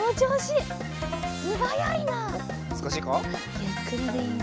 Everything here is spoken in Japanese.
ゆっくりでいいぞ。